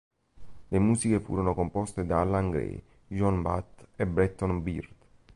Le musiche furono composte da Allan Gray, John Bath e Bretton Byrd.